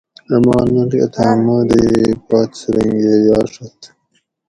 آمان ملک اتھاں مودی پت سرنگہ یا ڛت